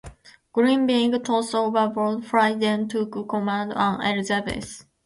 Green being tossed overboard; Fly then took command of the "Elizabeth".